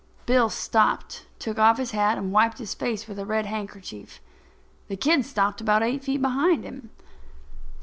Bill stopped, took off his hat and wiped his face with a red handkerchief. The kid stopped about eight feet behind him.